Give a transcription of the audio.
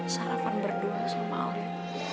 sarapan berdua sama alia